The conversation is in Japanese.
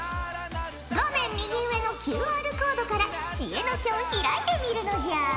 画面右上のＱＲコードから知恵の書を開いてみるのじゃ！